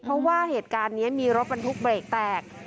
เพราะว่าเหตุการณ์นี้มีรถบรรทุกเบรกแตก